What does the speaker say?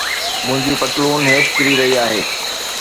منهنجي پتلون هيٺ ڪري رهي آهي